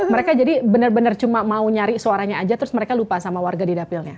mereka jadi benar benar cuma mau nyari suaranya aja terus mereka lupa sama warga di dapilnya